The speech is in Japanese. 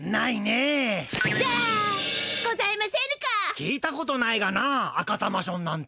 聞いたことないがなアカタマションなんて。